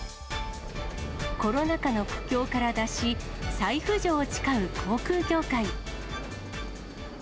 コロナ禍の苦境から脱し、再浮上を誓う航空業界。